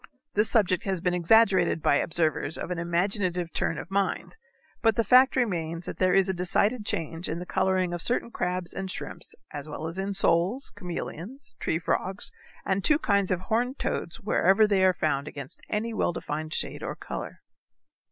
This subject has been exaggerated by observers of an imaginative turn of mind, but the fact remains that there is a decided change in the coloring of certain crabs and shrimps as well as in soles, chameleons, tree frogs, and two kinds of horned toads wherever they are found against any well defined shade or color.